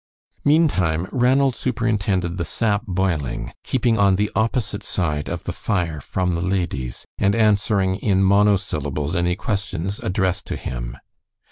Meantime Ranald superintended the sap boiling, keeping on the opposite side of the fire from the ladies, and answering in monosyllables any questions addressed to him.